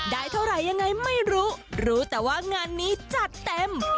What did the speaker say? ได้เท่าไหร่ยังไงไม่รู้รู้รู้แต่ว่างานนี้จัดเต็ม